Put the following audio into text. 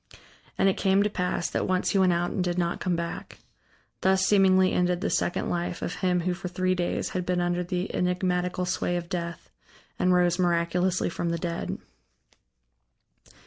And it came to pass that once he went out and did not come back. Thus seemingly ended the second life of him who for three days had been under the enigmatical sway of death, and rose miraculously from the dead.